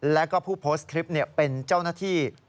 แล้วก็ผู้โพสต์คลิปเป็นเจ้าหน้าที่